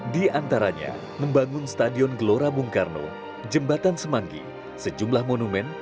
seribu sembilan ratus enam puluh dua diantaranya membangun stadion glora bung karno jembatan semanggi sejumlah monumen